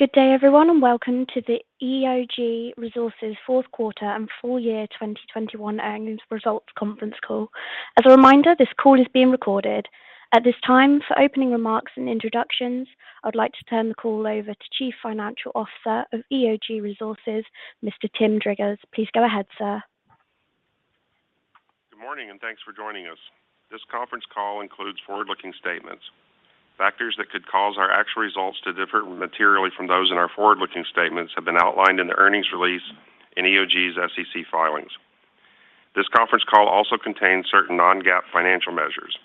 Good day, everyone, and welcome to the EOG Resources fourth quarter and full year 2021 earnings results conference call. As a reminder, this call is being recorded. At this time, for opening remarks and introductions, I would like to turn the call over to Chief Financial Officer of EOG Resources, Mr. Tim Driggers. Please go ahead, sir. Good morning, and thanks for joining us. This conference call includes forward-looking statements. Factors that could cause our actual results to differ materially from those in our forward-looking statements have been outlined in the earnings release in EOG's SEC filings. This conference call also contains certain non-GAAP financial measures.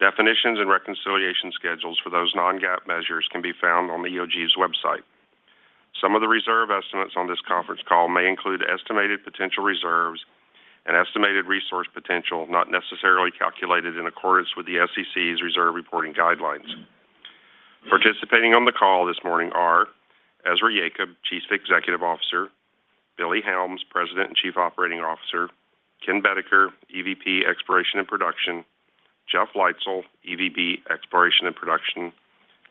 Definitions and reconciliation schedules for those non-GAAP measures can be found on EOG's website. Some of the reserve estimates on this conference call may include estimated potential reserves and estimated resource potential, not necessarily calculated in accordance with the SEC's reserve reporting guidelines. Participating on the call this morning are Ezra Yacob, Chief Executive Officer; Billy Helms, President and Chief Operating Officer; Ken Boedeker, EVP, Exploration and Production; Jeff Leitzell, EVP, Exploration and Production;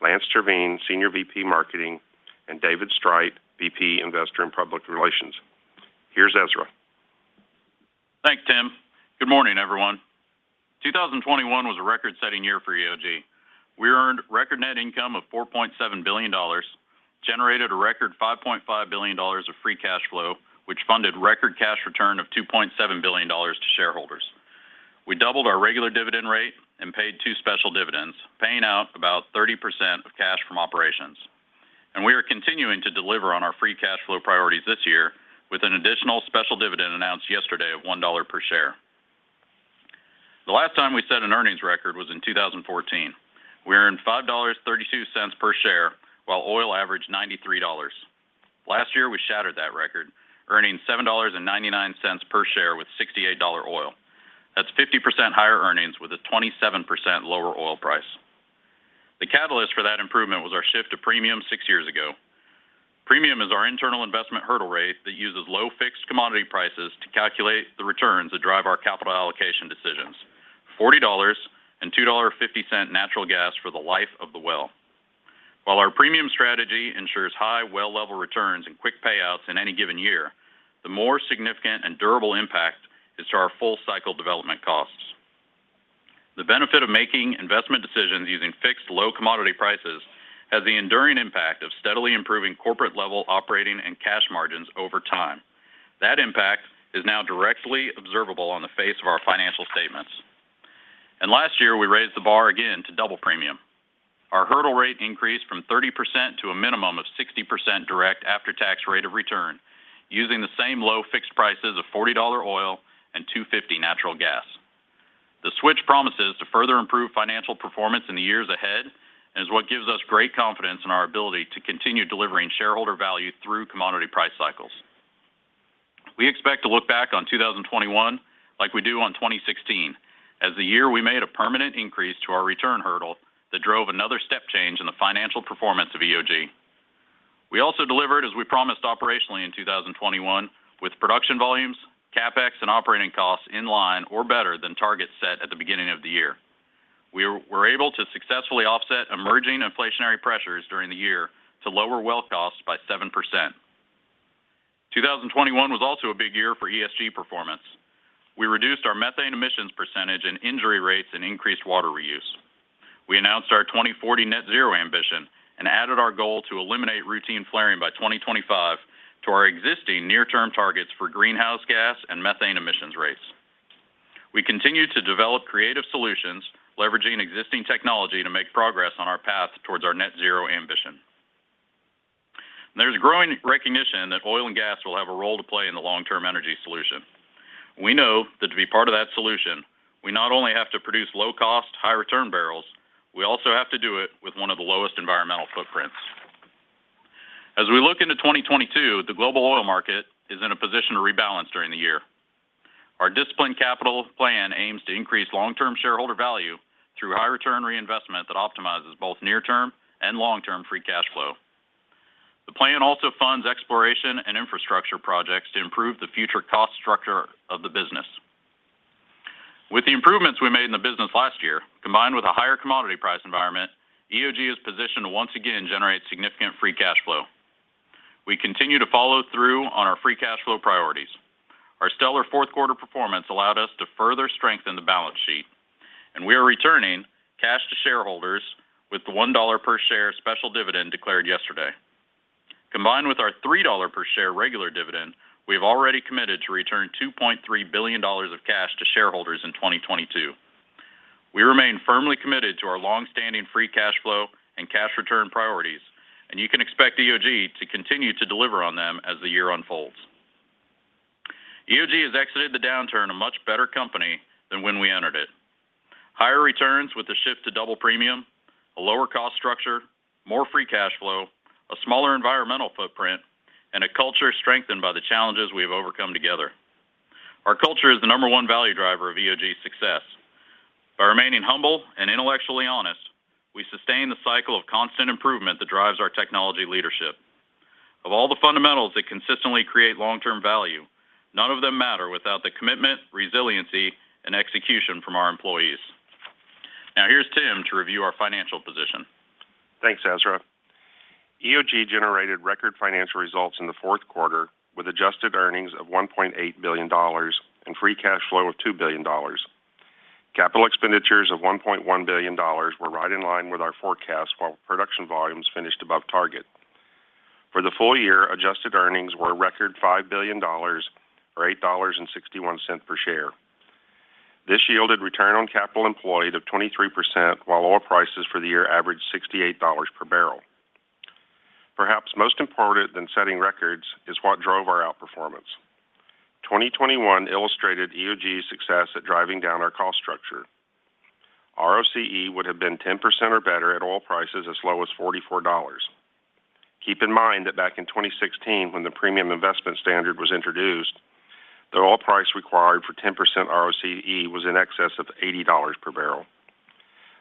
Lance Terveen, Senior VP, Marketing; and David Streit, VP, Investor and Public Relations. Here's Ezra. Thanks, Tim. Good morning, everyone. 2021 was a record-setting year for EOG. We earned record net income of $4.7 billion, generated a record $5.5 billion of free cash flow, which funded record cash return of $2.7 billion to shareholders. We doubled our regular dividend rate and paid two special dividends, paying out about 30% of cash from operations. We are continuing to deliver on our free cash flow priorities this year with an additional special dividend announced yesterday of $1 per share. The last time we set an earnings record was in 2014. We earned $5.32 per share, while oil averaged $93. Last year, we shattered that record, earning $7.99 per share with $68 oil. That's 50% higher earnings with a 27% lower oil price. The catalyst for that improvement was our shift to Premium six years ago. Premium is our internal investment hurdle rate that uses low fixed commodity prices to calculate the returns that drive our capital allocation decisions. $40 and $2.50 natural gas for the life of the well. While our Premium strategy ensures high well level returns and quick payouts in any given year, the more significant and durable impact is to our full cycle development costs. The benefit of making investment decisions using fixed low commodity prices has the enduring impact of steadily improving corporate level operating and cash margins over time. That impact is now directly observable on the face of our financial statements. Last year, we raised the bar again to Double Premium. Our hurdle rate increased from 30% to a minimum of 60% direct after-tax rate of return using the same low fixed prices of $40 oil and $2.50 natural gas. The switch promises to further improve financial performance in the years ahead and is what gives us great confidence in our ability to continue delivering shareholder value through commodity price cycles. We expect to look back on 2021 like we do on 2016 as the year we made a permanent increase to our return hurdle that drove another step change in the financial performance of EOG. We also delivered as we promised operationally in 2021 with production volumes, CapEx, and operating costs in line or better than targets set at the beginning of the year. We were able to successfully offset emerging inflationary pressures during the year to lower well costs by 7%. 2021 was also a big year for ESG performance. We reduced our methane emissions percentage and injury rates and increased water reuse. We announced our 2040 net zero ambition and added our goal to eliminate routine flaring by 2025 to our existing near-term targets for greenhouse gas and methane emissions rates. We continue to develop creative solutions, leveraging existing technology to make progress on our path towards our net zero ambition. There's a growing recognition that oil and gas will have a role to play in the long-term energy solution. We know that to be part of that solution, we not only have to produce low-cost, high-return barrels, we also have to do it with one of the lowest environmental footprints. As we look into 2022, the global oil market is in a position to rebalance during the year. Our disciplined capital plan aims to increase long-term shareholder value through high return reinvestment that optimizes both near-term and long-term free cash flow. The plan also funds exploration and infrastructure projects to improve the future cost structure of the business. With the improvements we made in the business last year, combined with a higher commodity price environment, EOG is positioned to once again generate significant free cash flow. We continue to follow through on our free cash flow priorities. Our stellar fourth quarter performance allowed us to further strengthen the balance sheet, and we are returning cash to shareholders with the $1 per share special dividend declared yesterday. Combined with our $3 per share regular dividend, we have already committed to return $2.3 billion of cash to shareholders in 2022. We remain firmly committed to our long-standing free cash flow and cash return priorities, and you can expect EOG to continue to deliver on them as the year unfolds. EOG has exited the downturn a much better company than when we entered it, higher returns with a shift to double premium, a lower cost structure, more free cash flow, a smaller environmental footprint, and a culture strengthened by the challenges we have overcome together. Our culture is the number one value driver of EOG's success. By remaining humble and intellectually honest, we sustain the cycle of constant improvement that drives our technology leadership. Of all the fundamentals that consistently create long-term value, none of them matter without the commitment, resiliency, and execution from our employees. Now here's Tim to review our financial position. Thanks, Ezra. EOG generated record financial results in the fourth quarter with adjusted earnings of $1.8 billion and free cash flow of $2 billion. Capital expenditures of $1.1 billion were right in line with our forecast, while production volumes finished above target. For the full year, adjusted earnings were a record $5 billion or $8.61 cents per share. This yielded return on capital employed of 23%, while oil prices for the year averaged $68 per barrel. Perhaps most important than setting records is what drove our outperformance. 2021 illustrated EOG's success at driving down our cost structure. ROCE would have been 10% or better at oil prices as low as $44. Keep in mind that back in 2016, when the premium investment standard was introduced, the oil price required for 10% ROCE was in excess of $80 per barrel.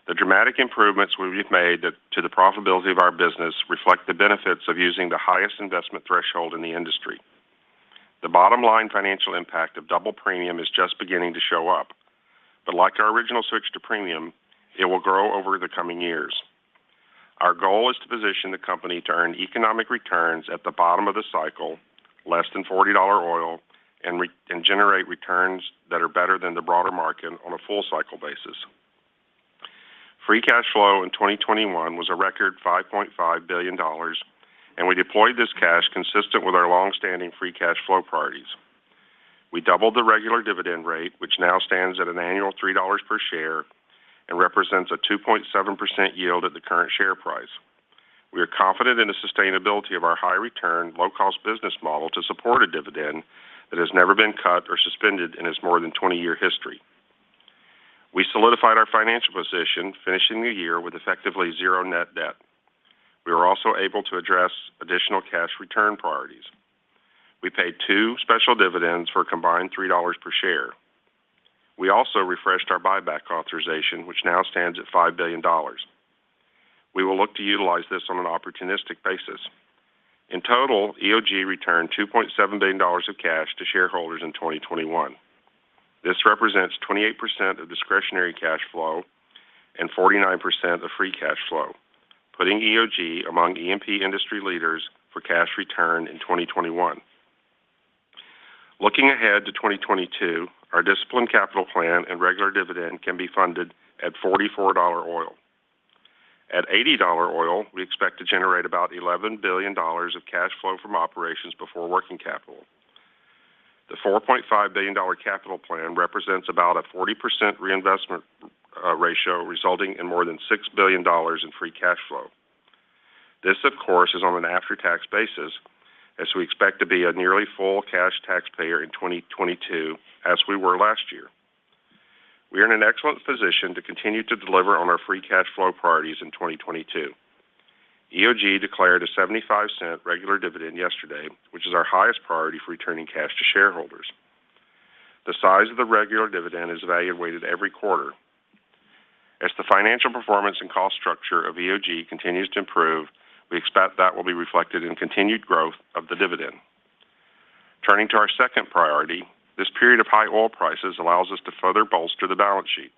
The dramatic improvements we've made to the profitability of our business reflect the benefits of using the highest investment threshold in the industry. The bottom line financial impact of double premium is just beginning to show up. Like our original switch to premium, it will grow over the coming years. Our goal is to position the company to earn economic returns at the bottom of the cycle, less than $40 oil, and generate returns that are better than the broader market on a full cycle basis. Free cash flow in 2021 was a record $5.5 billion, and we deployed this cash consistent with our long-standing free cash flow priorities. We doubled the regular dividend rate, which now stands at an annual $3 per share and represents a 2.7% yield at the current share price. We are confident in the sustainability of our high return, low cost business model to support a dividend that has never been cut or suspended in its more than 20-year history. We solidified our financial position, finishing the year with effectively zero net debt. We were also able to address additional cash return priorities. We paid two special dividends for a combined $3 per share. We also refreshed our buyback authorization, which now stands at $5 billion. We will look to utilize this on an opportunistic basis. In total, EOG returned $2.7 billion of cash to shareholders in 2021. This represents 28% of discretionary cash flow and 49% of free cash flow, putting EOG among E&P industry leaders for cash return in 2021. Looking ahead to 2022, our disciplined capital plan and regular dividend can be funded at $44 oil. At $80 oil, we expect to generate about $11 billion of cash flow from operations before working capital. The $4.5 billion capital plan represents about a 40% reinvestment ratio, resulting in more than $6 billion in free cash flow. This, of course, is on an after-tax basis, as we expect to be a nearly full cash taxpayer in 2022, as we were last year. We are in an excellent position to continue to deliver on our free cash flow priorities in 2022. EOG declared a $0.75 regular dividend yesterday, which is our highest priority for returning cash to shareholders. The size of the regular dividend is evaluated every quarter. As the financial performance and cost structure of EOG continues to improve, we expect that will be reflected in continued growth of the dividend. Turning to our second priority, this period of high oil prices allows us to further bolster the balance sheet.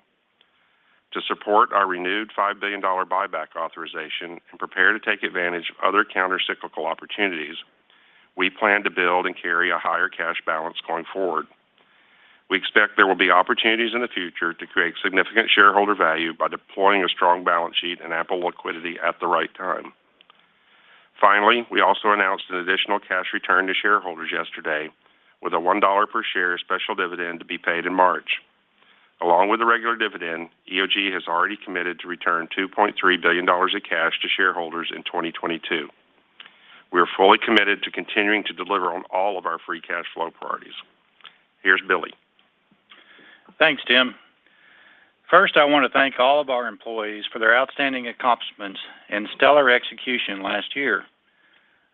To support our renewed $5 billion buyback authorization and prepare to take advantage of other countercyclical opportunities, we plan to build and carry a higher cash balance going forward. We expect there will be opportunities in the future to create significant shareholder value by deploying a strong balance sheet and ample liquidity at the right time. Finally, we also announced an additional cash return to shareholders yesterday with a $1 per share special dividend to be paid in March. Along with the regular dividend, EOG has already committed to return $2.3 billion of cash to shareholders in 2022. We are fully committed to continuing to deliver on all of our free cash flow priorities. Here's Billy. Thanks, Tim. First, I want to thank all of our employees for their outstanding accomplishments and stellar execution last year.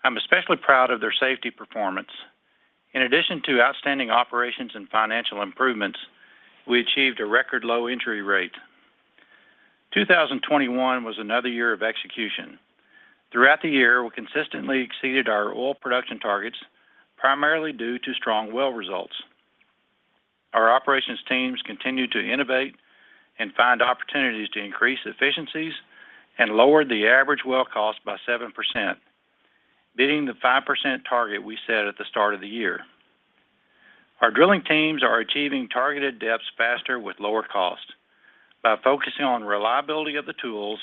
I'm especially proud of their safety performance. In addition to outstanding operations and financial improvements, we achieved a record low injury rate. 2021 was another year of execution. Throughout the year, we consistently exceeded our oil production targets, primarily due to strong well results. Our operations teams continued to innovate and find opportunities to increase efficiencies and lower the average well cost by 7%, beating the 5% target we set at the start of the year. Our drilling teams are achieving targeted depths faster with lower cost by focusing on reliability of the tools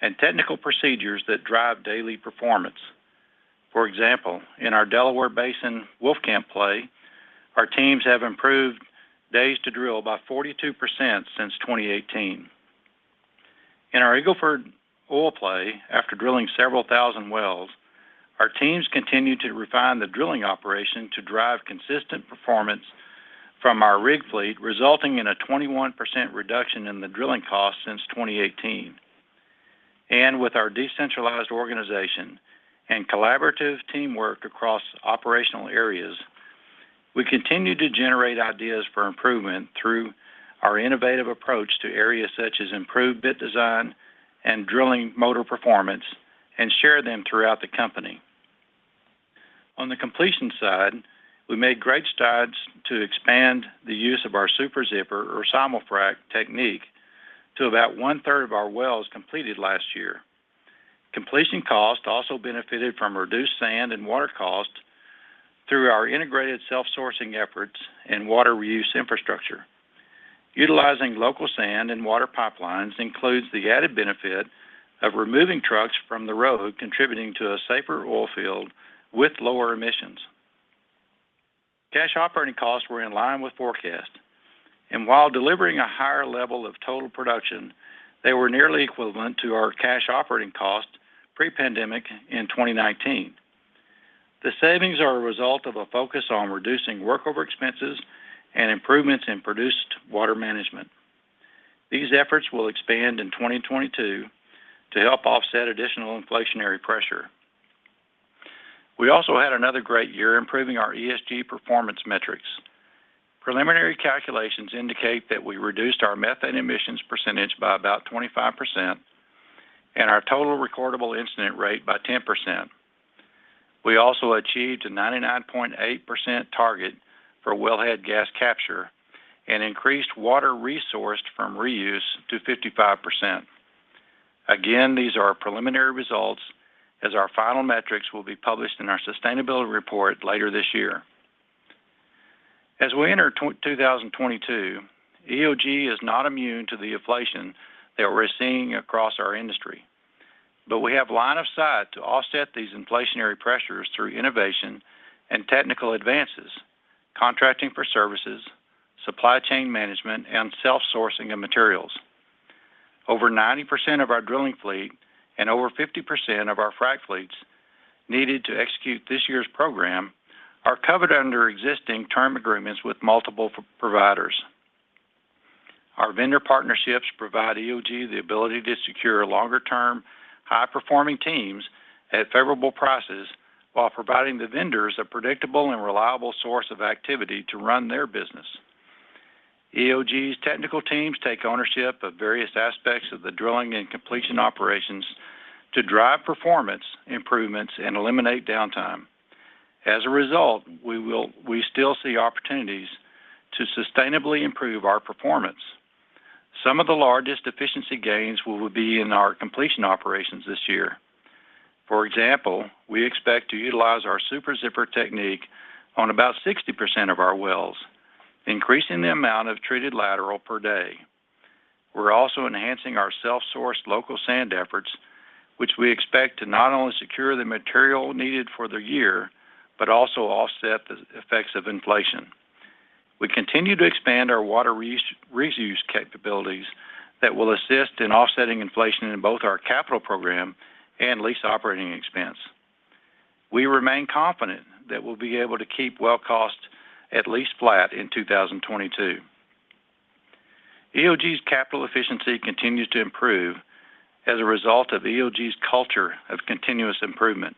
and technical procedures that drive daily performance. For example, in our Delaware Basin Wolfcamp play, our teams have improved days to drill by 42% since 2018. In our Eagle Ford oil play, after drilling several thousand wells, our teams continued to refine the drilling operation to drive consistent performance from our rig fleet, resulting in a 21% reduction in the drilling cost since 2018. With our decentralized organization and collaborative teamwork across operational areas. We continue to generate ideas for improvement through our innovative approach to areas such as improved bit design and drilling motor performance and share them throughout the company. On the completion side, we made great strides to expand the use of our Super Zipper or simul-frac technique to about one-third of our wells completed last year. Completion cost also benefited from reduced sand and water costs through our integrated self-sourcing efforts and water reuse infrastructure. Utilizing local sand and water pipelines includes the added benefit of removing trucks from the road, contributing to a safer oil field with lower emissions. Cash operating costs were in line with forecast, and while delivering a higher level of total production, they were nearly equivalent to our cash operating cost pre-pandemic in 2019. The savings are a result of a focus on reducing workover expenses and improvements in produced water management. These efforts will expand in 2022 to help offset additional inflationary pressure. We also had another great year improving our ESG performance metrics. Preliminary calculations indicate that we reduced our methane emissions percentage by about 25% and our total recordable incident rate by 10%. We also achieved a 99.8% target for wellhead gas capture and increased water resourced from reuse to 55%. Again, these are preliminary results as our final metrics will be published in our sustainability report later this year. As we enter 2022, EOG is not immune to the inflation that we're seeing across our industry, but we have line of sight to offset these inflationary pressures through innovation and technical advances, contracting for services, supply chain management, and self-sourcing of materials. Over 90% of our drilling fleet and over 50% of our frac fleets needed to execute this year's program are covered under existing term agreements with multiple providers. Our vendor partnerships provide EOG the ability to secure longer-term, high-performing teams at favorable prices while providing the vendors a predictable and reliable source of activity to run their business. EOG's technical teams take ownership of various aspects of the drilling and completion operations to drive performance improvements and eliminate downtime. As a result, we still see opportunities to sustainably improve our performance. Some of the largest efficiency gains will be in our completion operations this year. For example, we expect to utilize our Super Zipper technique on about 60% of our wells, increasing the amount of treated lateral per day. We're also enhancing our self-sourced local sand efforts, which we expect to not only secure the material needed for the year, but also offset the effects of inflation. We continue to expand our water reuse capabilities that will assist in offsetting inflation in both our capital program and lease operating expense. We remain confident that we'll be able to keep well costs at least flat in 2022. EOG's capital efficiency continues to improve as a result of EOG's culture of continuous improvement.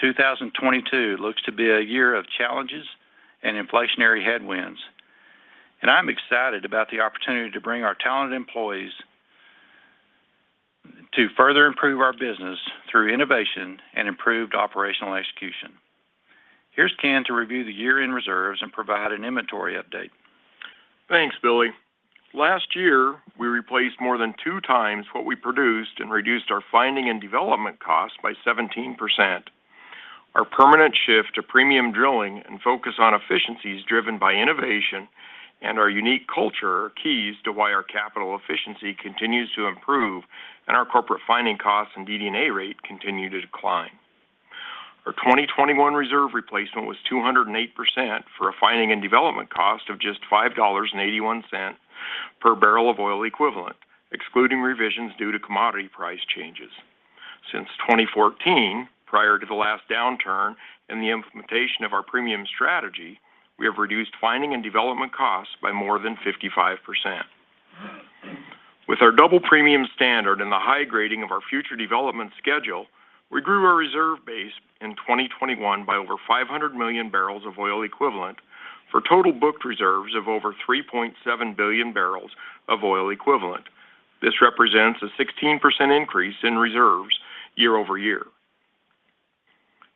2022 looks to be a year of challenges and inflationary headwinds, and I'm excited about the opportunity to bring our talented employees to further improve our business through innovation and improved operational execution. Here's Ken to review the year-end reserves and provide an inventory update. Thanks, Billy. Last year, we replaced more than 2 times what we produced and reduced our finding and development costs by 17%. Our permanent shift to premium drilling and focus on efficiencies driven by innovation and our unique culture are keys to why our capital efficiency continues to improve and our corporate finding costs and DD&A rate continue to decline. Our 2021 reserve replacement was 208% for a finding and development cost of just $5.81 per barrel of oil equivalent, excluding revisions due to commodity price changes. Since 2014, prior to the last downturn and the implementation of our premium strategy, we have reduced finding and development costs by more than 55%. With our double premium standard and the high grading of our future development schedule, we grew our reserve base in 2021 by over 500 million barrels of oil equivalent for total booked reserves of over 3.7 billion barrels of oil equivalent. This represents a 16% increase in reserves year-over-year.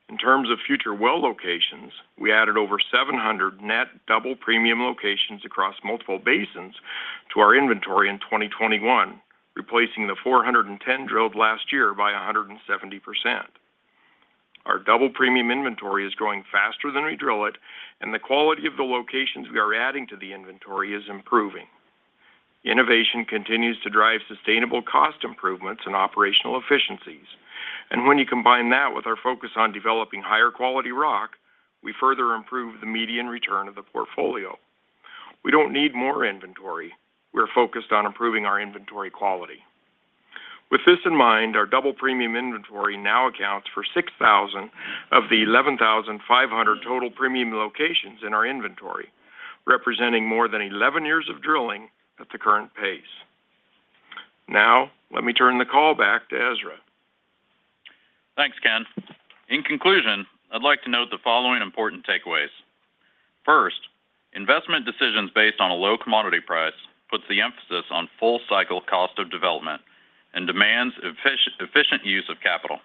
In terms of future well locations, we added over 700 net double premium locations across multiple basins to our inventory in 2021, replacing the 410 drilled last year by 170%. Our double premium inventory is growing faster than we drill it, and the quality of the locations we are adding to the inventory is improving. Innovation continues to drive sustainable cost improvements and operational efficiencies. When you combine that with our focus on developing higher quality rock, we further improve the median return of the portfolio. We don't need more inventory. We're focused on improving our inventory quality. With this in mind, our double premium inventory now accounts for 6,000 of the 11,500 total premium locations in our inventory, representing more than 11 years of drilling at the current pace. Now, let me turn the call back to Ezra. Thanks, Ken. In conclusion, I'd like to note the following important takeaways. First, investment decisions based on a low commodity price puts the emphasis on full cycle cost of development and demands efficient use of capital.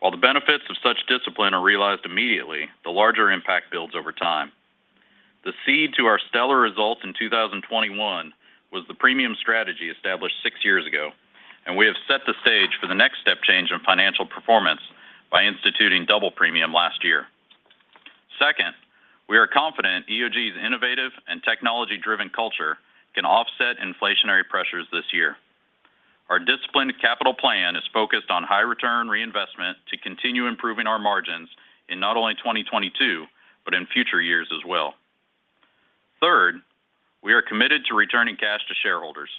While the benefits of such discipline are realized immediately, the larger impact builds over time. The seed to our stellar results in 2021 was the Premium strategy established six years ago, and we have set the stage for the next step change in financial performance by instituting Double Premium last year. Second, we are confident EOG's innovative and technology-driven culture can offset inflationary pressures this year. Our disciplined capital plan is focused on high return reinvestment to continue improving our margins in not only 2022, but in future years as well. Third, we are committed to returning cash to shareholders.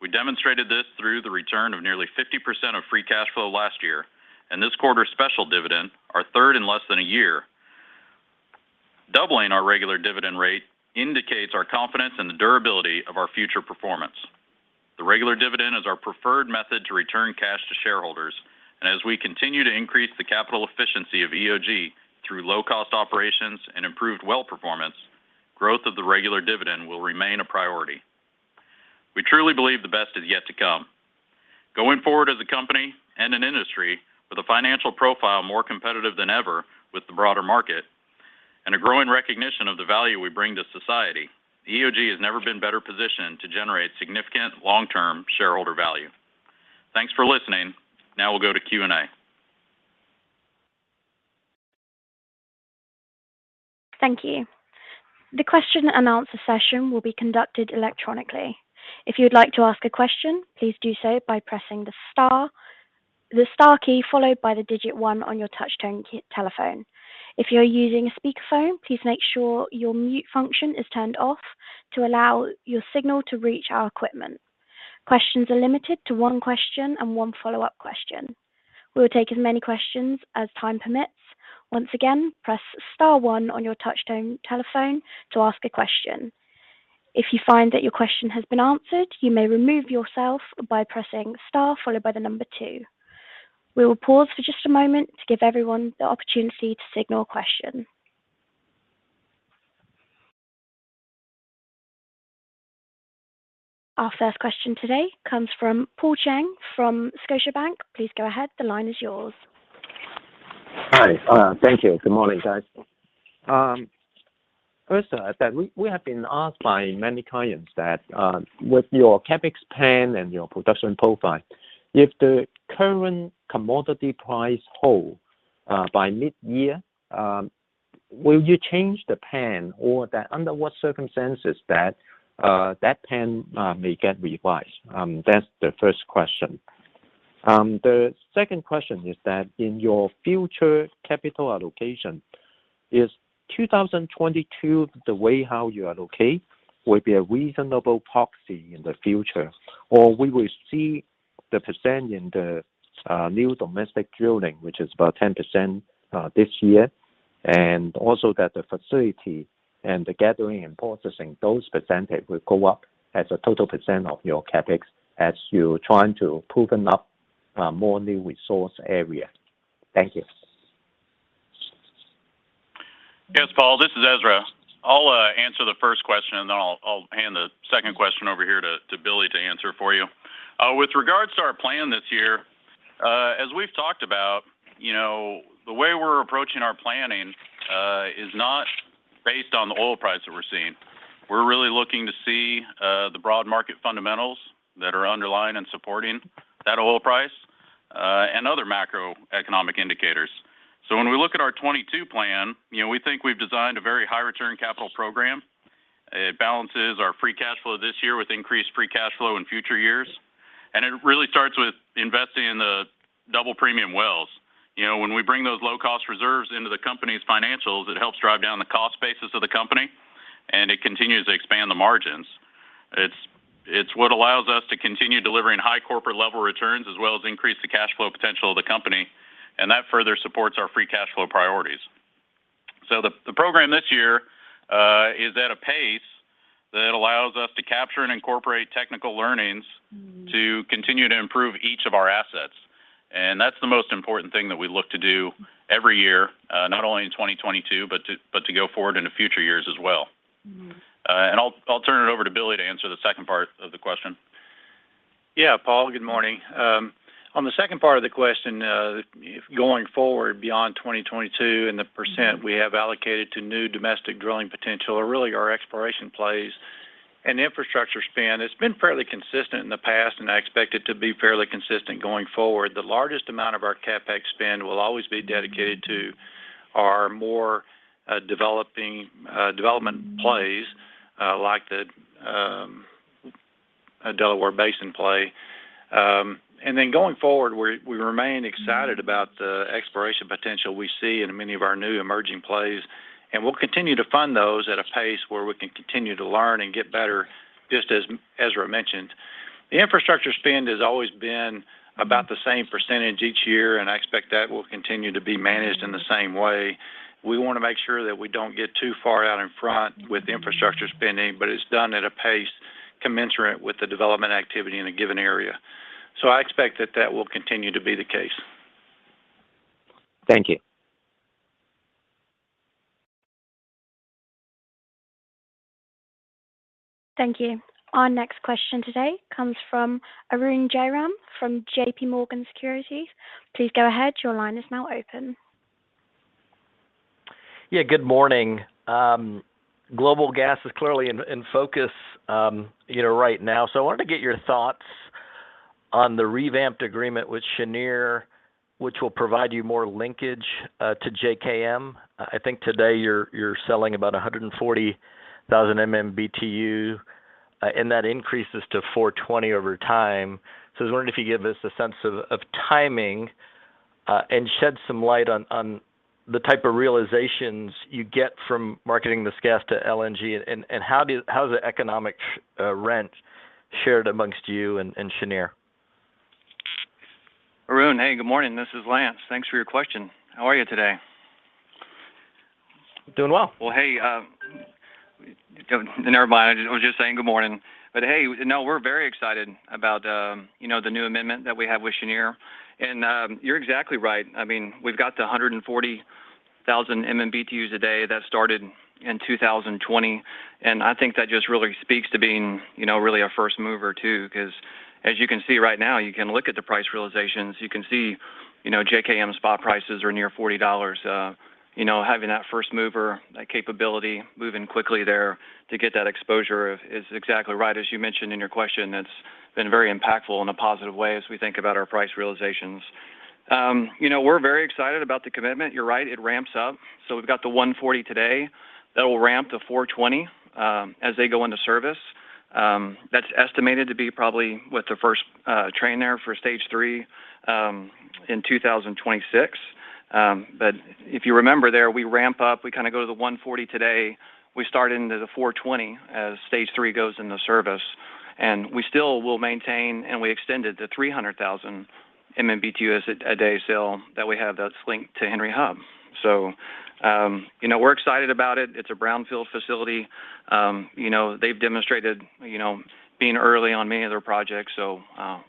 We demonstrated this through the return of nearly 50% of free cash flow last year, and this quarter's special dividend, our third in less than a year. Doubling our regular dividend rate indicates our confidence in the durability of our future performance. The regular dividend is our preferred method to return cash to shareholders. As we continue to increase the capital efficiency of EOG through low-cost operations and improved well performance, growth of the regular dividend will remain a priority. We truly believe the best is yet to come. Going forward as a company and an industry with a financial profile more competitive than ever with the broader market and a growing recognition of the value we bring to society, EOG has never been better positioned to generate significant long-term shareholder value. Thanks for listening. Now we'll go to Q and A. Thank you. The question-and-answer session will be conducted electronically. If you would like to ask a question, please do so by pressing the star, the star key followed by the digit one on your touch-tone telephone. If you're using a speaker phone, please make sure your mute function is turned off to allow your signal to reach our equipment. Questions are limited to one question and one follow-up question. We will take as many questions as time permits. Once again, press star one on your touch-tone telephone to ask a question. If you find that your question has been answered, you may remove yourself by pressing star followed by the number two. We will pause for just a moment to give everyone the opportunity to signal a question. Our first question today comes from Paul Cheng from Scotiabank. Please go ahead. The line is yours. Hi. Thank you. Good morning, guys. First, we have been asked by many clients that with your CapEx plan and your production profile, if the current commodity price hold by mid-year, will you change the plan or under what circumstances that plan may get revised? That's the first question. The second question is that in your future capital allocation, is 2022 the way how you allocate will be a reasonable proxy in the future? Or we will see the percent in the new domestic drilling, which is about 10%, this year, and also that the facility and the gathering and processing, those percentage will go up as a total percent of your CapEx as you're trying to proven up more new resource area. Thank you. Yes, Paul, this is Ezra. I'll answer the first question, and then I'll hand the second question over here to Billy to answer for you. With regards to our plan this year, as we've talked about, you know, the way we're approaching our planning is not based on the oil price that we're seeing. We're really looking to see the broad market fundamentals that are underlying and supporting that oil price and other macroeconomic indicators. When we look at our 2022 plan, you know, we think we've designed a very high return capital program. It balances our free cash flow this year with increased free cash flow in future years. It really starts with investing in the double premium wells. You know, when we bring those low cost reserves into the company's financials, it helps drive down the cost basis of the company, and it continues to expand the margins. It's what allows us to continue delivering high corporate level returns, as well as increase the cash flow potential of the company, and that further supports our free cash flow priorities. The program this year is at a pace that allows us to capture and incorporate technical learnings to continue to improve each of our assets, and that's the most important thing that we look to do every year, not only in 2022, but to go forward into future years as well. Mm-hmm. I'll turn it over to Billy to answer the second part of the question. Yeah, Paul, good morning. On the second part of the question, if going forward beyond 2022 and the percent we have allocated to new domestic drilling potential are really our exploration plays and infrastructure spend, it's been fairly consistent in the past, and I expect it to be fairly consistent going forward. The largest amount of our CapEx spend will always be dedicated to our more development plays, like the Delaware Basin play. Going forward, we remain excited about the exploration potential we see in many of our new emerging plays, and we'll continue to fund those at a pace where we can continue to learn and get better, just as Ezra mentioned. The infrastructure spend has always been about the same percentage each year, and I expect that will continue to be managed in the same way. We wanna make sure that we don't get too far out in front with infrastructure spending, but it's done at a pace. Commensurate with the development activity in a given area. I expect that will continue to be the case. Thank you. Thank you. Our next question today comes from Arun Jayaram from JPMorgan Securities. Please go ahead. Your line is now open. Yeah, good morning. Global gas is clearly in focus, you know, right now. I wanted to get your thoughts on the revamped agreement with Cheniere, which will provide you more linkage to JKM. I think today you're selling about 140,000 MMBtu, and that increases to 420,000 over time. I was wondering if you could give us a sense of timing, and shed some light on the type of realizations you get from marketing this gas to LNG and how is the economic rent shared amongst you and Cheniere? Arun, hey, good morning. This is Lance. Thanks for your question. How are you today? Doing well. Well, hey. I was just saying good morning. Hey, no, we're very excited about, you know, the new amendment that we have with Cheniere. You're exactly right. I mean, we've got 140,000 MMBtu a day that started in 2020, and I think that just really speaks to being, you know, really a first mover too, 'cause as you can see right now, you can look at the price realizations, you can see, you know, JKM spot prices are near $40. Having that first mover, that capability, moving quickly there to get that exposure is exactly right. As you mentioned in your question, it's been very impactful in a positive way as we think about our price realizations. We're very excited about the commitment. You're right, it ramps up. We've got the 140 today. That'll ramp to 420 as they go into service. That's estimated to be probably with the first train there for stage three in 2026. But if you remember there, we ramp up, we kind of go to the 140 today. We start into the 420 as stage three goes into service. We still will maintain, and we extended to 300,000 MMBtus a day sale that we have that's linked to Henry Hub. You know, we're excited about it. It's a brownfield facility. You know, they've demonstrated you know, being early on many of their projects, so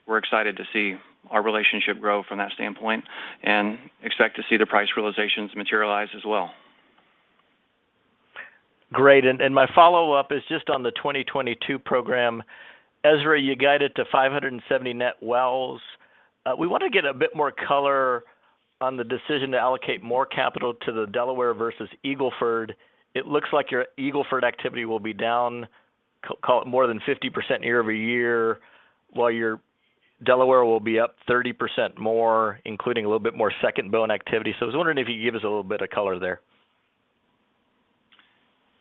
we're excited to see our relationship grow from that standpoint and expect to see the price realizations materialize as well. Great. My follow-up is just on the 2022 program. Ezra, you guided to 570 net wells. We want to get a bit more color on the decision to allocate more capital to the Delaware versus Eagle Ford. It looks like your Eagle Ford activity will be down, call it more than 50% year-over-year, while your Delaware will be up 30% more, including a little bit more Second Bone Spring. I was wondering if you could give us a little bit of color there.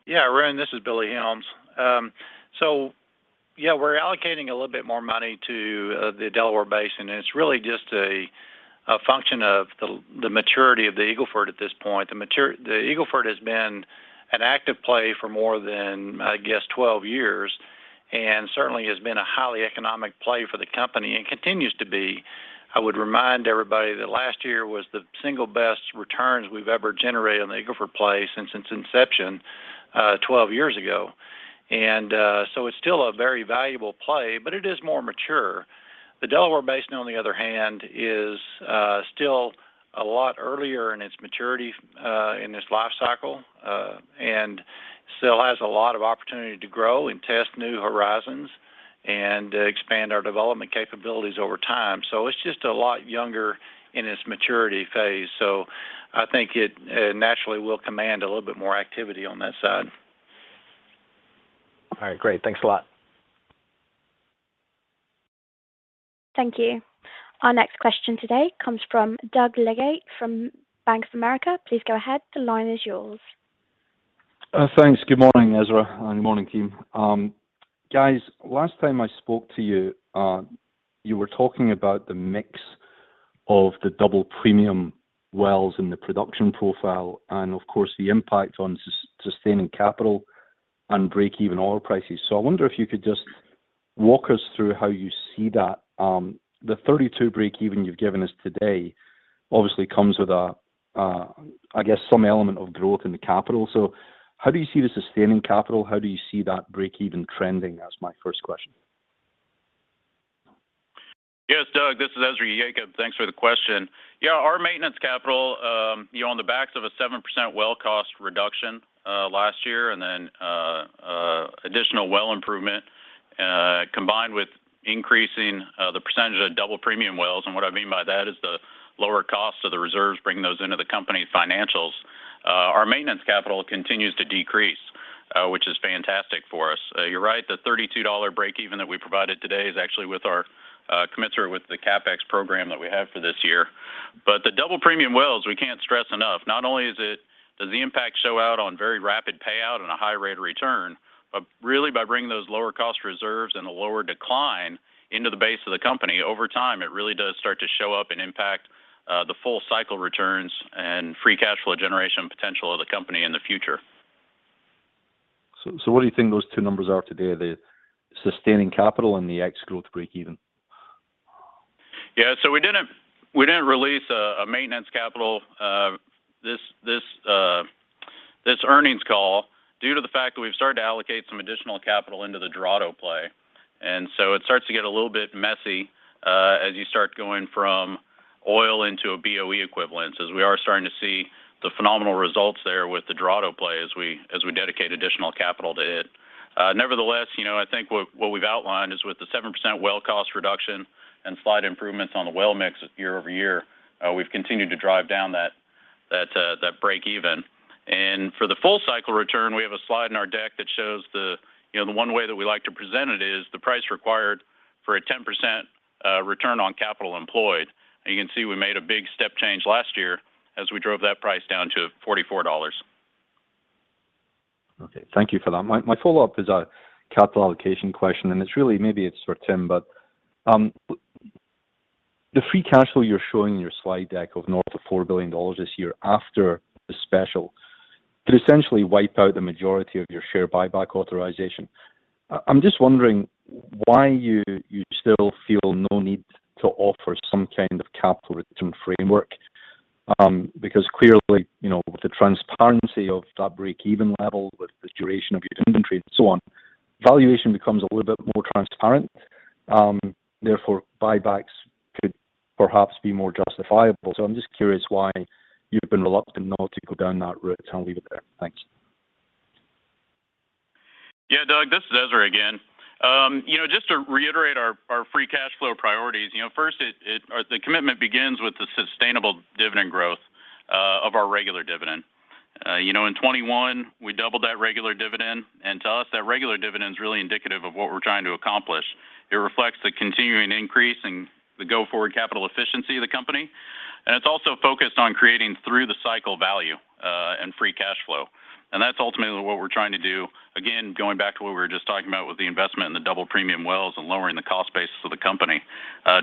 Yeah. Arun, this is Billy Helms. So yeah, we're allocating a little bit more money to the Delaware Basin, and it's really just a function of the maturity of the Eagle Ford at this point. The Eagle Ford has been an active play for more than, I guess, 12 years, and certainly has been a highly economic play for the company and continues to be. I would remind everybody that last year was the single best returns we've ever generated in the Eagle Ford play since its inception 12 years ago. It's still a very valuable play, but it is more mature. The Delaware Basin, on the other hand, is still a lot earlier in its maturity, in its life cycle, and still has a lot of opportunity to grow and test new horizons and expand our development capabilities over time. It's just a lot younger in its maturity phase. I think it naturally will command a little bit more activity on that side. All right, great. Thanks a lot. Thank you. Our next question today comes from Doug Leggate from Bank of America. Please go ahead. The line is yours. Thanks. Good morning, Ezra, and good morning team. Guys, last time I spoke to you were talking about the mix of the double premium wells in the production profile and of course, the impact on sustaining capital and break-even oil prices. I wonder if you could just walk us through how you see that. The $32 breakeven you've given us today obviously comes with a, I guess, some element of growth in the capital. How do you see the sustaining capital? How do you see that breakeven trending? That's my first question. Yes, Doug, this is Ezra Yacob. Thanks for the question. Yeah, our maintenance capital, you know, on the backs of a 7% well cost reduction last year and then additional well improvement combined with increasing the percentage of double premium wells, and what I mean by that is the lower cost of the reserves, bringing those into the company financials. Our maintenance capital continues to decrease, which is fantastic for us. You're right, the $32 break even that we provided today is actually commensurate with the CapEx program that we have for this year. But the double premium wells, we can't stress enough. Not only does the impact show out on very rapid payout and a high rate of return, but really by bringing those lower cost reserves and a lower decline into the base of the company. Over time, it really does start to show up and impact the full cycle returns and free cash flow generation potential of the company in the future. What do you think those two numbers are today, the sustaining capital and the ex-growth break even? Yeah. We didn't release a maintenance capital this earnings call due to the fact that we've started to allocate some additional capital into the Dorado play. It starts to get a little bit messy as you start going from oil into a BOE equivalence, as we are starting to see the phenomenal results there with the Dorado play as we dedicate additional capital to it. Nevertheless, you know, I think what we've outlined is with the 7% well cost reduction and slight improvements on the well mix year-over-year, we've continued to drive down that breakeven. For the full cycle return, we have a slide in our deck that shows the, you know, the one way that we like to present it is the price required for a 10%, return on capital employed. You can see we made a big step change last year as we drove that price down to $44. Okay. Thank you for that. My follow-up is a capital allocation question, and it's really maybe it's for Tim, but the free cash flow you're showing in your slide deck of north of $4 billion this year after the special could essentially wipe out the majority of your share buyback authorization. I'm just wondering why you still feel no need to offer some kind of capital return framework, because clearly, you know, with the transparency of that break-even level, with the duration of your inventory and so on, valuation becomes a little bit more transparent. Therefore buybacks could perhaps be more justifiable. So I'm just curious why you've been reluctant now to go down that route, and I'll leave it there. Thank you. Yeah. Doug, this is Ezra again. You know, just to reiterate our free cash flow priorities, you know, first or the commitment begins with the sustainable dividend growth of our regular dividend. You know, in 2021 we doubled that regular dividend. To us, that regular dividend is really indicative of what we're trying to accomplish. It reflects the continuing increase in the go-forward capital efficiency of the company, and it's also focused on creating through the cycle value and free cash flow. That's ultimately what we're trying to do. Again, going back to what we were just talking about with the investment in the double premium wells and lowering the cost basis of the company,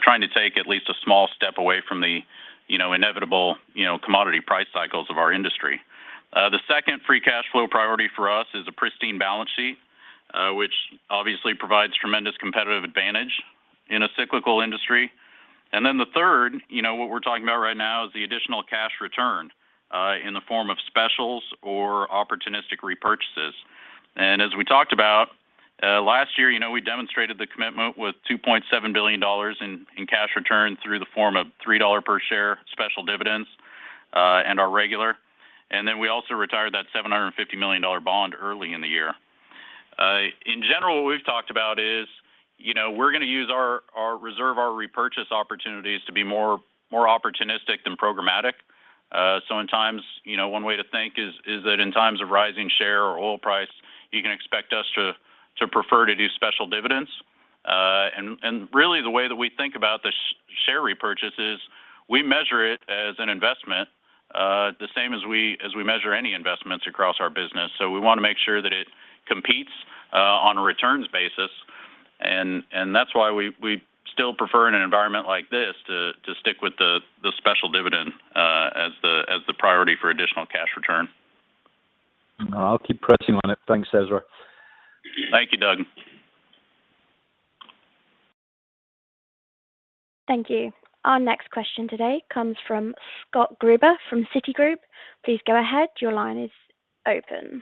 trying to take at least a small step away from the inevitable commodity price cycles of our industry. The second free cash flow priority for us is a pristine balance sheet, which obviously provides tremendous competitive advantage in a cyclical industry. Then the third, you know, what we're talking about right now is the additional cash return in the form of specials or opportunistic repurchases. As we talked about last year, you know, we demonstrated the commitment with $2.7 billion in cash return through the form of $3 per share special dividends and our regular. We also retired that $750 million bond early in the year. In general, what we've talked about is, you know, we're gonna use our reserve, our repurchase opportunities to be more opportunistic than programmatic. In times, you know, one way to think is that in times of rising share or oil price, you can expect us to prefer to do special dividends. And really the way that we think about the share repurchase is we measure it as an investment, the same as we measure any investments across our business. We want to make sure that it competes on a returns basis. That's why we still prefer in an environment like this to stick with the special dividend as the priority for additional cash return. I'll keep pressing on it. Thanks, Ezra. Thank you, Doug. Thank you. Our next question today comes from Scott Gruber from Citigroup. Please go ahead. Your line is open.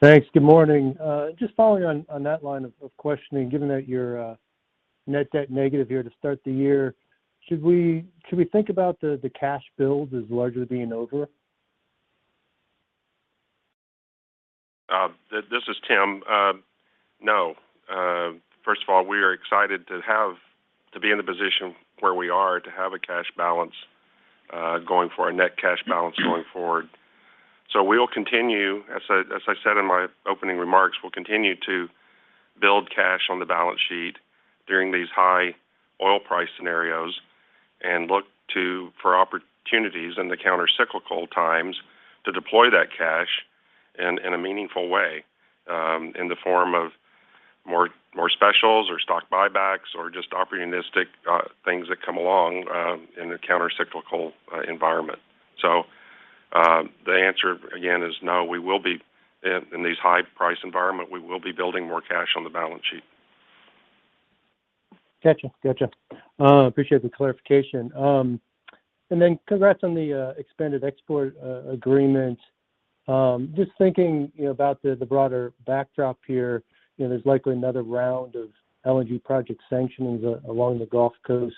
Thanks. Good morning. Just following on that line of questioning, given that you're net debt negative here to start the year, should we think about the cash build as largely being over? This is Tim. No. First of all, we are excited to have to be in the position where we are to have a cash balance going for our net cash balance going forward. We will continue, as I said in my opening remarks, we'll continue to build cash on the balance sheet during these high oil price scenarios and look for opportunities in the counter-cyclical times to deploy that cash in a meaningful way, in the form of more specials or stock buybacks or just opportunistic things that come along in a counter-cyclical environment. The answer again is no. We will be in these high price environment, we will be building more cash on the balance sheet. Gotcha. Appreciate the clarification. Congrats on the expanded export agreement. Just thinking, you know, about the broader backdrop here. You know, there's likely another round of LNG project sanctionings along the Gulf Coast.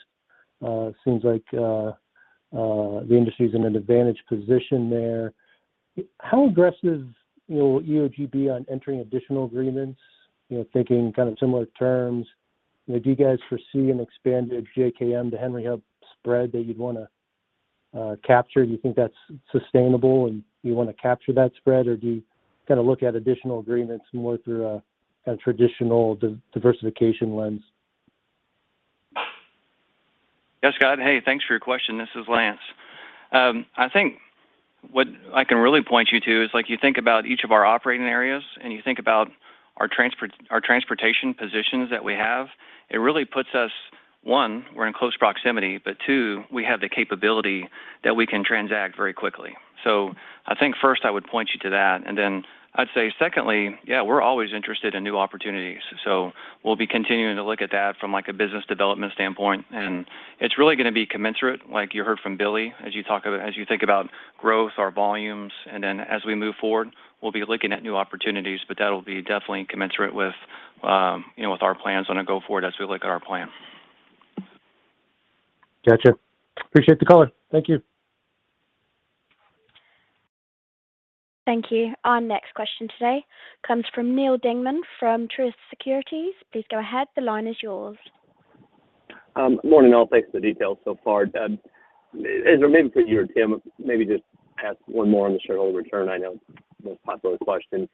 Seems like the industry is in an advantage position there. How aggressive will EOG be on entering additional agreements? You know, thinking kind of similar terms. You know, do you guys foresee an expanded JKM to Henry Hub spread that you'd wanna capture? Do you think that's sustainable, and you wanna capture that spread? Or do you kinda look at additional agreements more through a traditional diversification lens? Yeah. Scott, hey, thanks for your question. This is Lance. I think. What I can really point you to is like you think about each of our operating areas and you think about our transportation positions that we have, it really puts us, one, we're in close proximity, but two, we have the capability that we can transact very quickly. I think first I would point you to that, and then I'd say secondly, yeah, we're always interested in new opportunities. We'll be continuing to look at that from like a business development standpoint. It's really going to be commensurate, like you heard from Billy, as you think about growth, our volumes. Then as we move forward, we'll be looking at new opportunities, but that'll be definitely commensurate with, you know, with our plans on a go forward as we look at our plan. Gotcha. Appreciate the color. Thank you. Thank you. Our next question today comes from Neal Dingmann from Truist Securities. Please go ahead. The line is yours. Morning all. Thanks for the details so far. Ezra, maybe for you or Tim, maybe just ask one more on the shareholder return. I know the most popular question.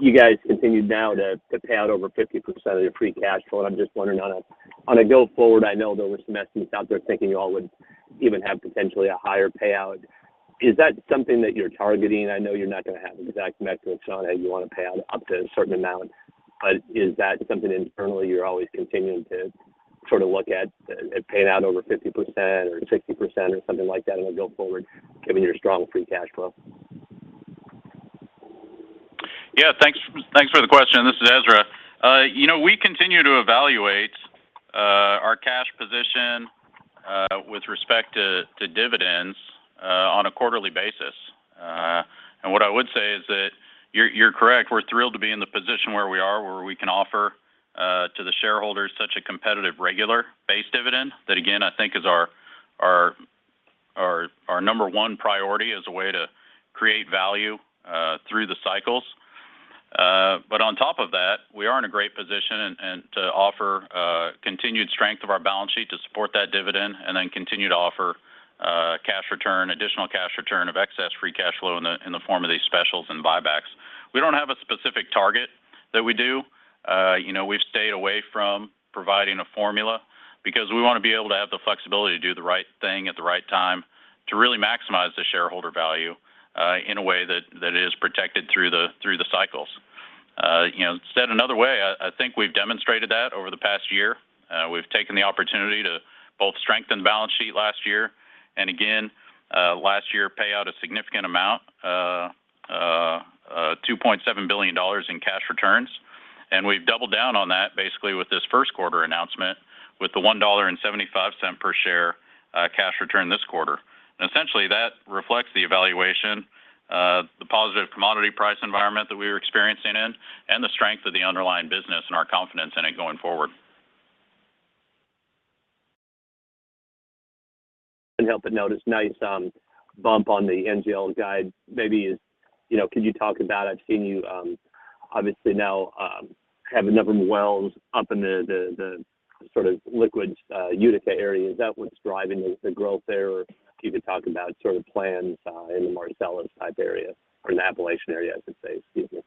You guys continued now to pay out over 50% of your free cash flow. I'm just wondering on a go forward, I know there were some estimates out there thinking you all would even have potentially a higher payout. Is that something that you're targeting? I know you're not going to have an exact metric on it. You want to pay out up to a certain amount. Is that something internally you're always continuing to sort of look at paying out over 50% or 60% or something like that on a go forward, given your strong free cash flow? Yeah. Thanks for the question. This is Ezra. You know, we continue to evaluate our cash position with respect to dividends on a quarterly basis. What I would say is that you're correct. We're thrilled to be in the position where we are, where we can offer to the shareholders such a competitive regular base dividend. That again, I think is our number one priority as a way to create value through the cycles. On top of that, we are in a great position and to offer continued strength of our balance sheet to support that dividend and then continue to offer cash return, additional cash return of excess free cash flow in the form of these specials and buybacks. We don't have a specific target that we do. You know, we've stayed away from providing a formula because we want to be able to have the flexibility to do the right thing at the right time to really maximize the shareholder value, in a way that is protected through the cycles. You know, said another way, I think we've demonstrated that over the past year. We've taken the opportunity to both strengthen balance sheet last year and again last year pay out a significant amount, $2.7 billion in cash returns. We've doubled down on that basically with this first quarter announcement with the $1.75 per share cash return this quarter. Essentially, that reflects the evaluation of the positive commodity price environment that we are experiencing, and the strength of the underlying business and our confidence in it going forward. I couldn't help but notice nice bump on the NGL guide. Maybe, you know, could you talk about it? I've seen you, obviously now, have a number of wells up in the sort of liquids Utica area. Is that what's driving the growth there? Or if you could talk about sort of plans in the Marcellus type area or in the Appalachian area, I should say. Excuse me.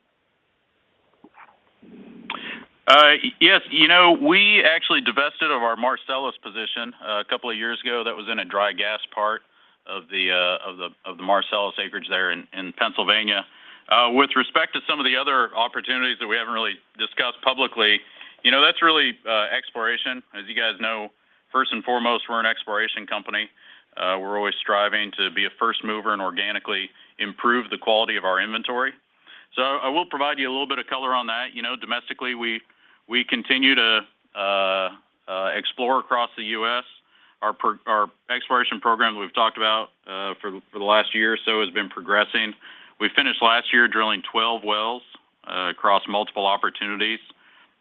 Yes. You know, we actually divested of our Marcellus position a couple of years ago that was in a dry gas part of the Marcellus acreage there in Pennsylvania. With respect to some of the other opportunities that we haven't really discussed publicly, you know, that's really exploration. As you guys know, first and foremost, we're an exploration company. We're always striving to be a first mover and organically improve the quality of our inventory. I will provide you a little bit of color on that. You know, domestically, we continue to explore across the U.S. Our exploration program we've talked about for the last year or so has been progressing. We finished last year drilling 12 wells across multiple opportunities,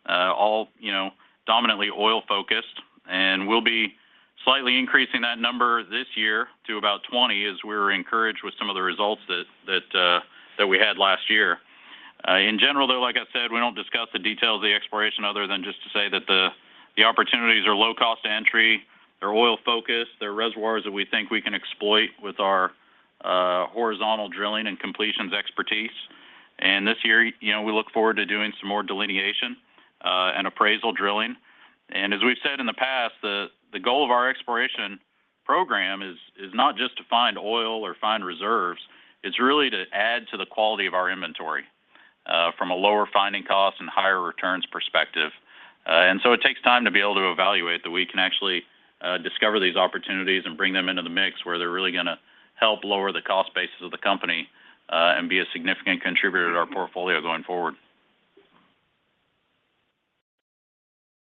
all, you know, dominantly oil-focused, and we'll be slightly increasing that number this year to about 20 as we're encouraged with some of the results that we had last year. In general, though, like I said, we don't discuss the details of the exploration other than just to say that the opportunities are low cost to entry. They're oil-focused. They're reservoirs that we think we can exploit with our horizontal drilling and completions expertise. This year, you know, we look forward to doing some more delineation and appraisal drilling. As we've said in the past, the goal of our exploration program is not just to find oil or find reserves, it's really to add to the quality of our inventory from a lower finding cost and higher returns perspective. It takes time to be able to evaluate that we can actually discover these opportunities and bring them into the mix where they're really gonna help lower the cost basis of the company and be a significant contributor to our portfolio going forward.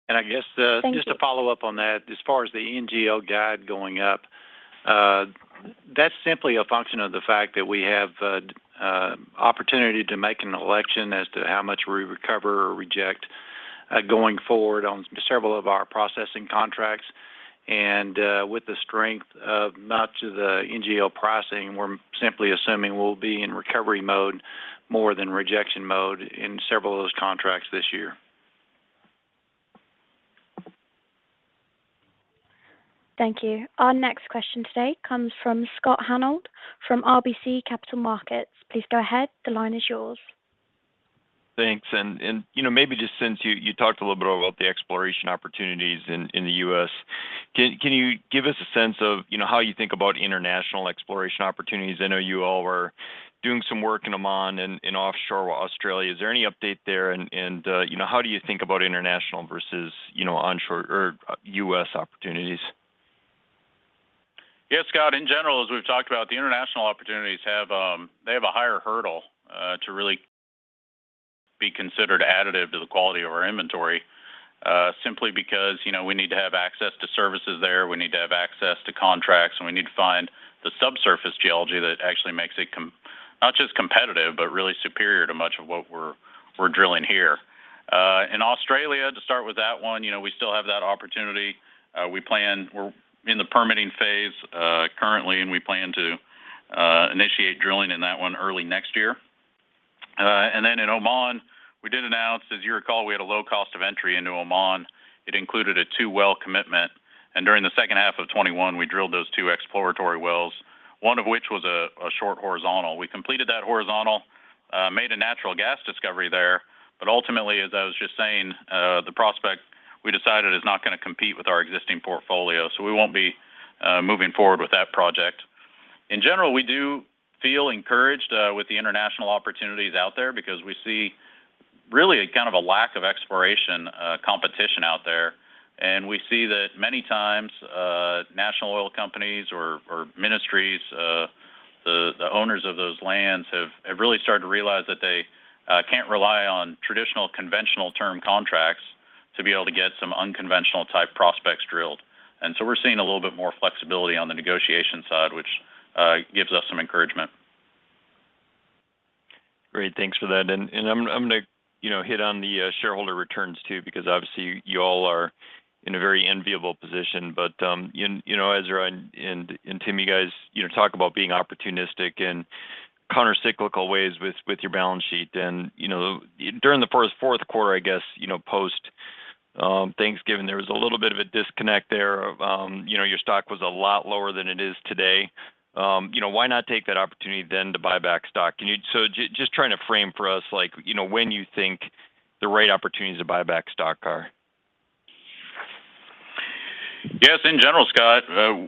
I guess. Thank you. Just to follow up on that, as far as the NGL guide going up, that's simply a function of the fact that we have the opportunity to make an election as to how much we recover or reject going forward on several of our processing contracts. With the strength of much of the NGL pricing, we're simply assuming we'll be in recovery mode more than rejection mode in several of those contracts this year. Thank you. Our next question today comes from Scott Hanold from RBC Capital Markets. Please go ahead. The line is yours. Thanks. You know, maybe just since you talked a little bit about the exploration opportunities in the U.S., can you give us a sense of how you think about international exploration opportunities? I know you all were doing some work in Oman and offshore Australia. Is there any update there, you know, how do you think about international versus onshore or U.S. opportunities? Yes, Scott. In general, as we've talked about, the international opportunities have a higher hurdle to really be considered additive to the quality of our inventory, simply because, you know, we need to have access to services there. We need to have access to contracts, and we need to find the subsurface geology that actually makes it not just competitive, but really superior to much of what we're drilling here. In Australia, to start with that one, you know, we still have that opportunity. We're in the permitting phase currently, and we plan to initiate drilling in that one early next year. In Oman, we did announce, as you recall, we had a low cost of entry into Oman. It included a two-well commitment, and during the second half of 2021, we drilled those two exploratory wells, one of which was a short horizontal. We completed that horizontal, made a natural gas discovery there. But ultimately, as I was just saying, the prospect we decided is not gonna compete with our existing portfolio. So we won't be moving forward with that project. In general, we do feel encouraged with the international opportunities out there because we see really a kind of a lack of exploration competition out there. We see that many times national oil companies or ministries the owners of those lands have really started to realize that they can't rely on traditional conventional term contracts to be able to get some unconventional type prospects drilled. We're seeing a little bit more flexibility on the negotiation side, which gives us some encouragement. Great. Thanks for that. I'm gonna, you know, hit on the shareholder returns too, because obviously you all are in a very enviable position. You know, Ezra and Tim, you guys, you know, talk about being opportunistic in counter-cyclical ways with your balance sheet. You know, during the fourth quarter, I guess, you know, post Thanksgiving, there was a little bit of a disconnect there of, you know, your stock was a lot lower than it is today. You know, why not take that opportunity then to buy back stock? Just trying to frame for us, like, you know, when you think the right opportunities to buy back stock are. Yes, in general, Scott,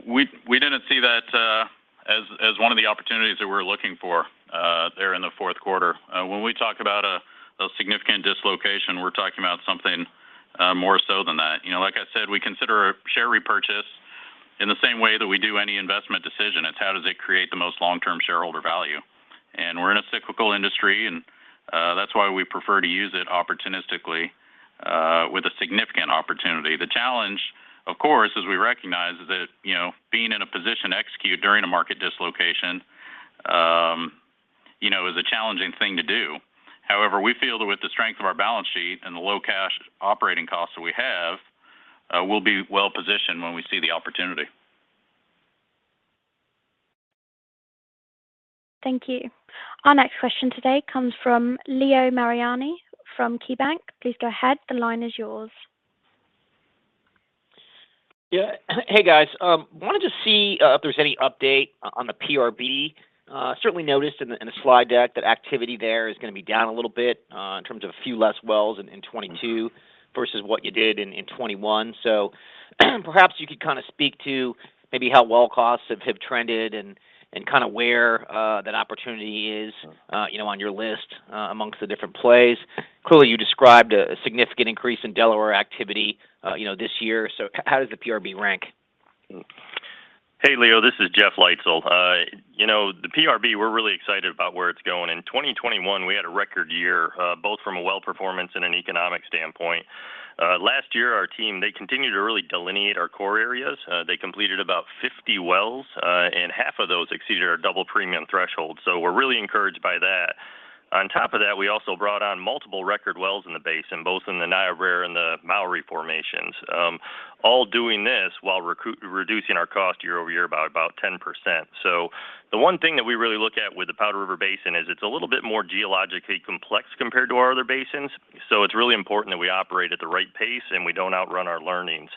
we didn't see that as one of the opportunities that we're looking for there in the fourth quarter. When we talk about a significant dislocation, we're talking about something more so than that. You know, like I said, we consider a share repurchase in the same way that we do any investment decision. It's how does it create the most long-term shareholder value? We're in a cyclical industry, and that's why we prefer to use it opportunistically with a significant opportunity. The challenge, of course, as we recognize, is that you know, being in a position to execute during a market dislocation, you know, is a challenging thing to do. However, we feel that with the strength of our balance sheet and the low cash operating costs that we have, we'll be well positioned when we see the opportunity. Thank you. Our next question today comes from Leo Mariani from KeyBanc Capital Markets. Please go ahead. The line is yours. Yeah. Hey, guys. Wanted to see if there's any update on the PRB. Certainly noticed in the slide deck that activity there is gonna be down a little bit in terms of a few less wells in 2022- Mm-hmm Versus what you did in 2021. Perhaps you could kinda speak to maybe how well costs have trended and kinda where that opportunity is, you know, on your list amongst the different plays. Clearly, you described a significant increase in Delaware activity this year. How does the PRB rank? Hey, Leo, this is Jeff Leitzel. The PRB, we're really excited about where it's going. In 2021, we had a record year, both from a well performance and an economic standpoint. Last year, our team, they continued to really delineate our core areas. They completed about 50 wells, and half of those exceeded our double premium threshold. We're really encouraged by that. On top of that, we also brought on multiple record wells in the basin, both in the Niobrara and Mowry formations. All doing this while reducing our cost year-over-year by about 10%. The one thing that we really look at with the Powder River Basin is it's a little bit more geologically complex compared to our other basins. It's really important that we operate at the right pace and we don't outrun our learnings.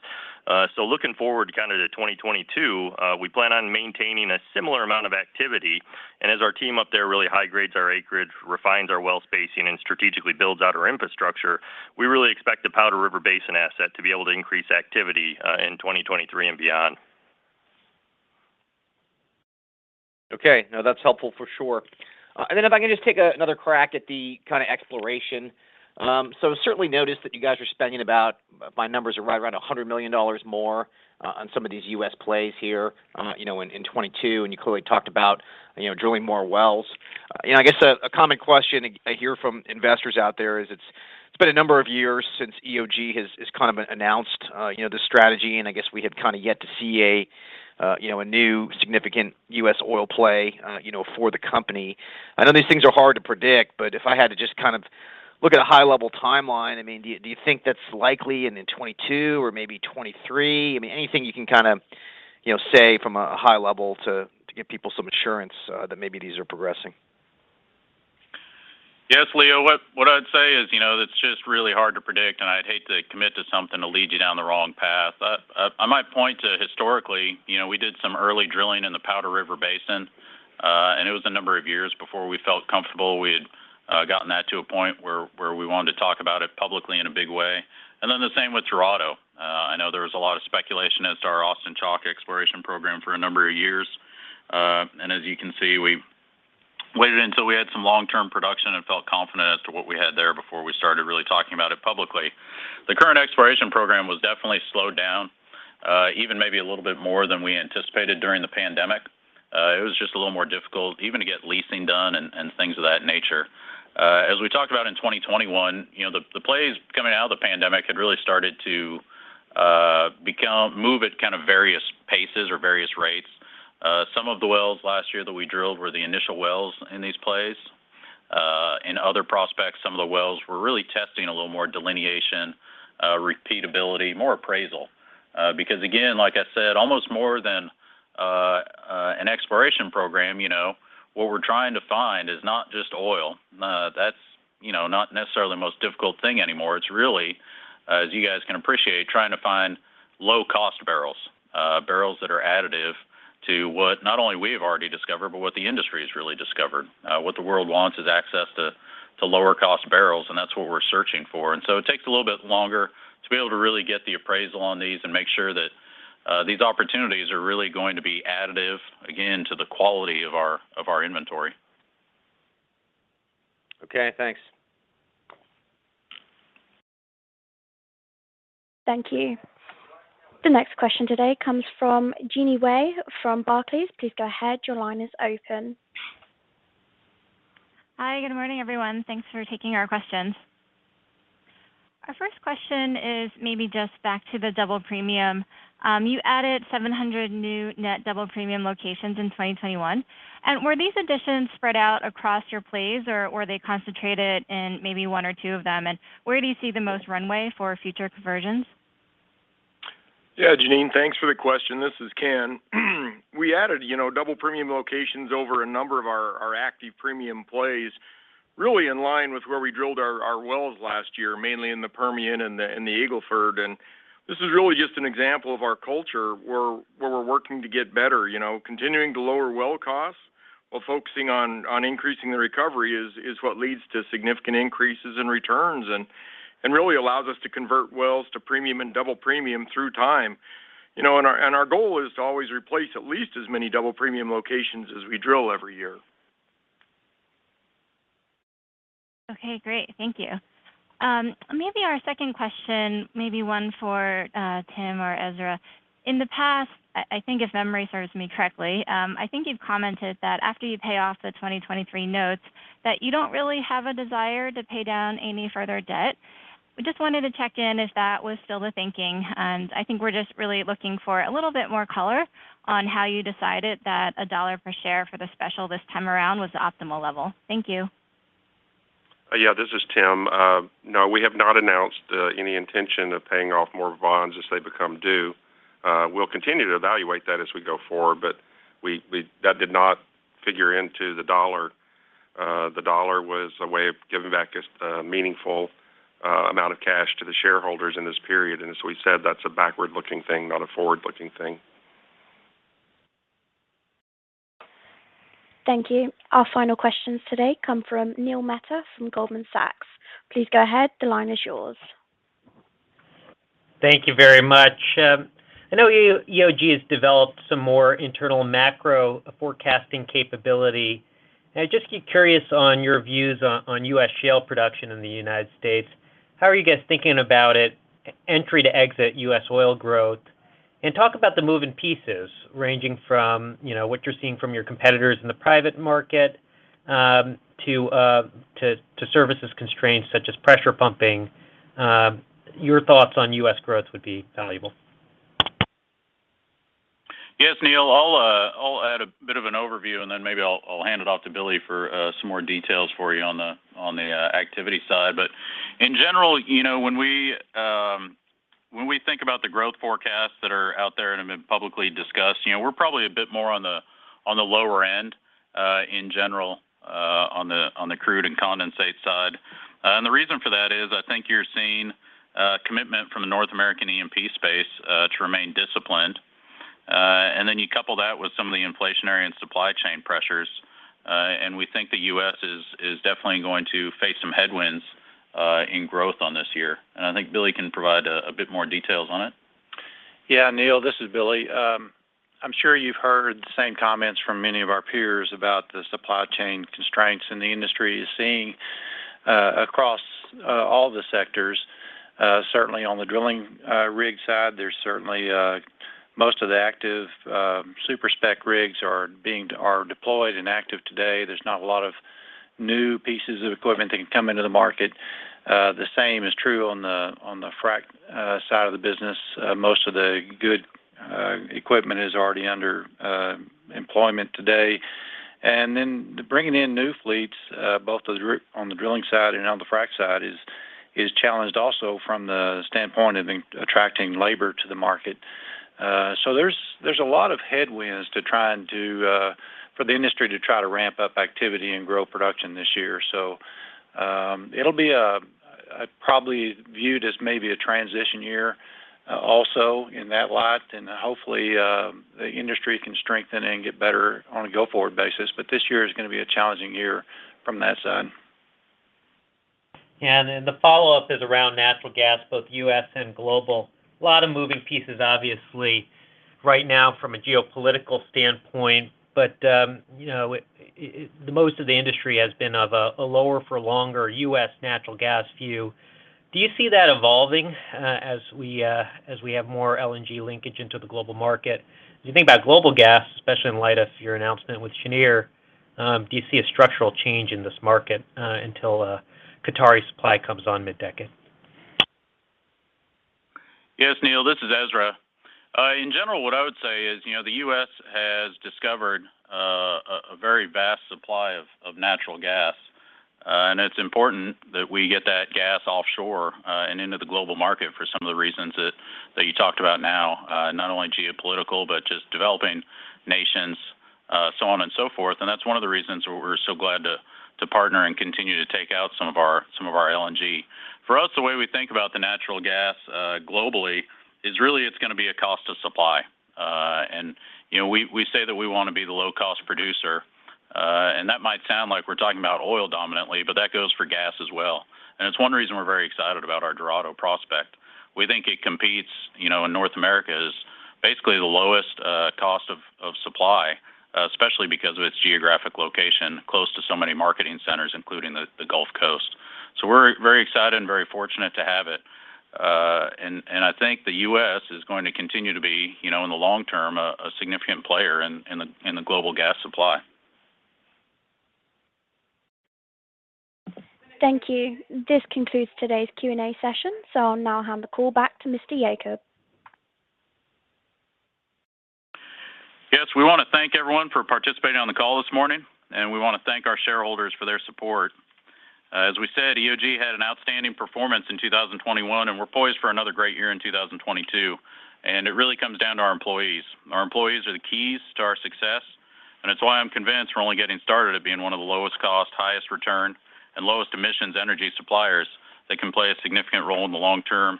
Looking forward kind of to 2022, we plan on maintaining a similar amount of activity. As our team up there really high grades our acreage, refines our well spacing, and strategically builds out our infrastructure, we really expect the Powder River Basin asset to be able to increase activity in 2023 and beyond. Okay. No, that's helpful for sure. If I can just take another crack at the kinda exploration. Certainly noticed that you guys are spending about, my numbers are right around $100 million more on some of these U.S. plays here, you know, in 2022, and you clearly talked about, you know, drilling more wells. You know, I guess a common question I hear from investors out there is it's been a number of years since EOG has kind of announced the strategy, and I guess we have kinda yet to see a, you know, a new significant U.S. oil play, you know, for the company. I know these things are hard to predict, but if I had to just kind of look at a high-level timeline, I mean, do you think that's likely and in 2022 or maybe 2023? I mean, anything you can kinda, you know, say from a high level to give people some assurance that maybe these are progressing? Yes, Leo. What I'd say is, you know, that's just really hard to predict, and I'd hate to commit to something to lead you down the wrong path. I might point to historically, you know, we did some early drilling in the Powder River Basin. It was a number of years before we felt comfortable. We had gotten that to a point where we wanted to talk about it publicly in a big way. The same with Dorado. I know there was a lot of speculation as to our Austin Chalk exploration program for a number of years. As you can see, we waited until we had some long-term production and felt confident as to what we had there before we started really talking about it publicly. The current exploration program was definitely slowed down, even maybe a little bit more than we anticipated during the pandemic. It was just a little more difficult even to get leasing done and things of that nature. As we talked about in 2021, you know, the plays coming out of the pandemic had really started to move at kind of various paces or various rates. Some of the wells last year that we drilled were the initial wells in these plays. In other prospects, some of the wells were really testing a little more delineation, repeatability, more appraisal. Because again, like I said, almost more than an exploration program, you know, what we're trying to find is not just oil. That's, you know, not necessarily the most difficult thing anymore. It's really, as you guys can appreciate, trying to find low-cost barrels. Barrels that are additive to what not only we have already discovered, but what the industry has really discovered. What the world wants is access to lower cost barrels, and that's what we're searching for. It takes a little bit longer to be able to really get the appraisal on these and make sure that these opportunities are really going to be additive, again, to the quality of our inventory. Okay, thanks. Thank you. The next question today comes from Jeanine Wai from Barclays. Please go ahead. Your line is open. Hi. Good morning, everyone. Thanks for taking our questions. Our first question is maybe just back to the double premium. You added 700 new net double premium locations in 2021. Were these additions spread out across your plays or were they concentrated in maybe one or two of them? Where do you see the most runway for future conversions? Yeah, Jeanine, thanks for the question. This is Ken. We added, you know, double premium locations over a number of our our active premium plays really in line with where we drilled our our wells last year, mainly in the Permian and the Eagle Ford. This is really just an example of our culture, where we're working to get better, you know. Continuing to lower well costs while focusing on increasing the recovery is what leads to significant increases in returns and really allows us to convert wells to premium and double premium through time. You know, our goal is to always replace at least as many double premium locations as we drill every year. Okay, great. Thank you. Maybe our second question, maybe one for Tim or Ezra. In the past, I think if memory serves me correctly, I think you've commented that after you pay off the 2023 notes, that you don't really have a desire to pay down any further debt. We just wanted to check in if that was still the thinking. I think we're just really looking for a little bit more color on how you decided that $1 per share for the special this time around was the optimal level. Thank you. Yeah, this is Tim. No, we have not announced any intention of paying off more bonds as they become due. We'll continue to evaluate that as we go forward. That did not figure into the dollar. The dollar was a way of giving back a meaningful amount of cash to the shareholders in this period. As we said, that's a backward-looking thing, not a forward-looking thing. Thank you. Our final questions today come from Neil Mehta from Goldman Sachs. Please go ahead. The line is yours. Thank you very much. I know EOG has developed some more internal macro forecasting capability. I'm just curious on your views on U.S. shale production in the United States. How are you guys thinking about it, entry to exit U.S. oil growth? Talk about the moving pieces ranging from, you know, what you're seeing from your competitors in the private market, to services constraints such as pressure pumping. Your thoughts on U.S. growth would be valuable. Yes, Neil. I'll add a bit of an overview, and then maybe I'll hand it off to Billy for some more details for you on the activity side. In general, you know, when we think about the growth forecasts that are out there and have been publicly discussed, you know, we're probably a bit more on the lower end in general on the crude and condensate side. The reason for that is I think you're seeing commitment from the North American E&P space to remain disciplined. Then you couple that with some of the inflationary and supply chain pressures, and we think the U.S. is definitely going to face some headwinds in growth this year. I think Billy can provide a bit more details on it. Yeah, Neil, this is Billy. I'm sure you've heard the same comments from many of our peers about the supply chain constraints, and the industry is seeing across all the sectors. Certainly on the drilling rig side, there's certainly most of the active super spec rigs are deployed and active today. There's not a lot of new pieces of equipment that can come into the market. The same is true on the frac side of the business. Most of the good equipment is already under employment today. Bringing in new fleets both on the drilling side and on the frac side is challenged also from the standpoint of attracting labor to the market. There's a lot of headwinds to try and do for the industry to try to ramp up activity and grow production this year. It'll be, I probably viewed as maybe a transition year, also in that light, and hopefully, the industry can strengthen and get better on a go-forward basis. This year is gonna be a challenging year from that side. The follow-up is around natural gas, both U.S. and global. A lot of moving pieces obviously right now from a geopolitical standpoint, but most of the industry has been of a lower for longer U.S. natural gas view. Do you see that evolving, as we have more LNG linkage into the global market? Do you think about global gas, especially in light of your announcement with Cheniere, do you see a structural change in this market, until Qatari supply comes on mid-decade? Yes, Neil. This is Ezra. In general, what I would say is, you know, the U.S. has discovered a very vast supply of natural gas. It's important that we get that gas offshore and into the global market for some of the reasons that you talked about now, not only geopolitical, but just developing nations, so on and so forth. That's one of the reasons we're so glad to partner and continue to take out some of our LNG. For us, the way we think about the natural gas globally is really it's gonna be a cost of supply. You know, we say that we wanna be the low-cost producer, and that might sound like we're talking about oil dominantly, but that goes for gas as well. It's one reason we're very excited about our Dorado prospect. We think it competes in North America is basically the lowest cost of supply, especially because of its geographic location, close to so many marketing centers, including the Gulf Coast. We're very excited and very fortunate to have it. I think the U.S. is going to continue to be, in the long term, a significant player in the global gas supply. Thank you. This concludes today's Q and A session, so I'll now hand the call back to Mr. Yacob. Yes, we wanna thank everyone for participating on the call this morning, and we wanna thank our shareholders for their support. As we said, EOG had an outstanding performance in 2021, and we're poised for another great year in 2022. It really comes down to our employees. Our employees are the keys to our success, and it's why I'm convinced we're only getting started at being one of the lowest cost, highest return, and lowest emissions energy suppliers that can play a significant role in the long-term,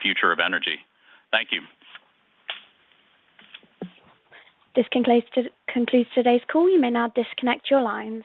future of energy. Thank you. This concludes today's call. You may now disconnect your lines.